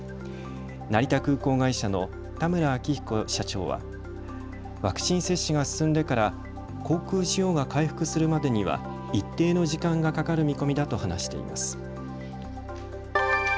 成田空港会社の田村明比古社長はワクチン接種が進んでから航空需要が回復するまでには一定の時間がかかる見込みだと話しています。